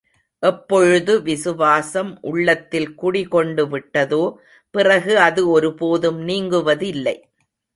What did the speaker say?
எப்பொழுது விசுவாசம் உள்ளத்தில் குடி கொண்டு விட்டதோ, பிறகு அது ஒரு போதும் நீங்குவதில்லை.